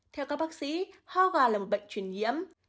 theo các bác sĩ ho gà là một bệnh truyền nhiễm